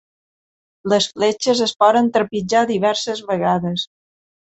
Les fletxes es poden trepitjar diverses vegades.